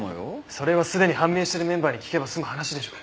それはすでに判明しているメンバーに聞けば済む話でしょう。